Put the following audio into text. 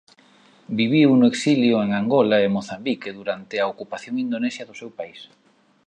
Viviu no exilio en Angola e Mozambique durante a ocupación indonesia do seu país.